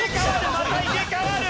また入れ替わる！